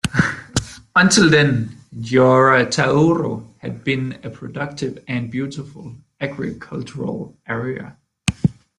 Until then Gioia Tauro had been a productive and beautiful agricultural area.